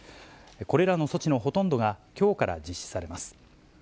これらの措置のほとんどが、きょうから実施されます。